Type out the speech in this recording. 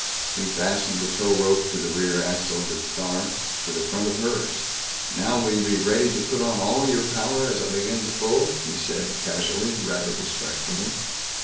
He fastened the tow rope to the rear axle of his car, to the front of hers. "Now will you be ready to put on all your power as I begin to pull?" he said casually, rather respectfully.